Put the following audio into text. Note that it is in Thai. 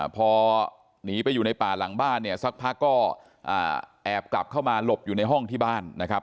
พอหนีไปอยู่ในป่าหลังบ้านเนี่ยสักพักก็แอบกลับเข้ามาหลบอยู่ในห้องที่บ้านนะครับ